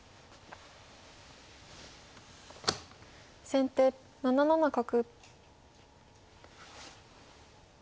先手７七角。